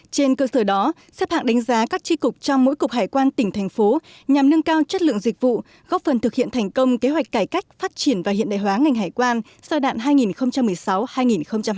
trên cơ sở đó xếp hạng đánh giá các tri cục trong mỗi cục hải quan tỉnh thành phố nhằm nâng cao chất lượng dịch vụ góp phần thực hiện thành công kế hoạch cải cách phát triển và hiện đại hóa ngành hải quan sau đạn hai nghìn một mươi sáu hai nghìn hai mươi